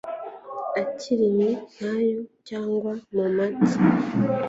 akarimi kayo kagwa mu matsa